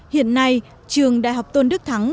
hiện nay trường đại học tôn đức thắng